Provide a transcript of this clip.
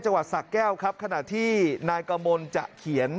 จังหวัดสะแก้วครับขณะที่นายกมลจะเขียน